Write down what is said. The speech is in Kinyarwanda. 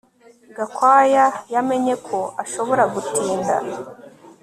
Gakwaya yamenye ko ashobora gutinda